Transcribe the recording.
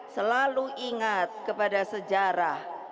selalu ingat kepada sejarah